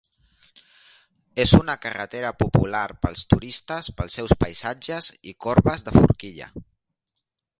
És una carretera popular pels turistes pels seus paisatges i corbes de forquilla.